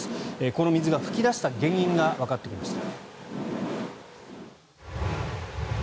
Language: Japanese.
この水が噴き出した原因がわかってきました。